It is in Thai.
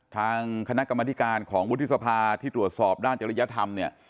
ทางคณะกรรมธิการของวุฒิสภาที่ตรวจสอบด้านจริยธรรมเนี่ย